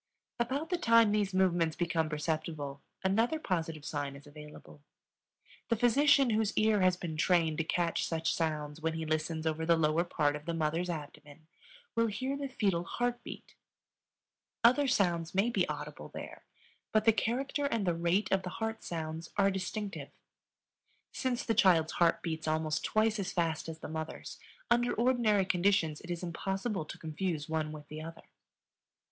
About the time these movements become perceptible another positive sign is available. The physician whose ear has been trained to catch such sounds when he listens over the lower part of the mother's abdomen will hear the fetal heart beat. Other sounds may be audible there, but the character and the rate of the heart sounds are distinctive. Since the child's heart beats almost twice as fast as the mother's, under ordinary conditions it is impossible to confuse one with the other.